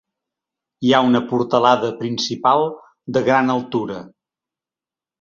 Hi ha una portalada principal de gran altura.